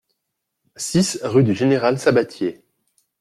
six rue du Général Sabatier